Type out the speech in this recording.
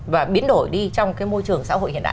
và biến đổi đi trong cái môi trường xã hội hiện đại